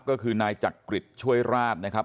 ก็คือนายจักริจช่วยราชนะครับ